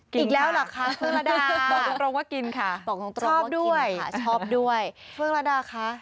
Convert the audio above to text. กินค่ะบอกตรงว่ากินค่ะชอบด้วยค่ะฟื้องระดาค่ะอีกแล้วล่ะค่ะ